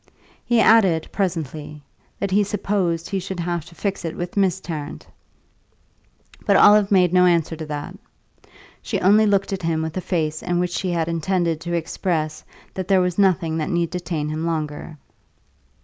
He added, presently, that he supposed he should have to fix it with Mis' Tarrant; but Olive made no answer to that; she only looked at him with a face in which she intended to express that there was nothing that need detain him longer.